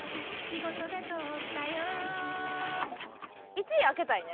１位開けたいね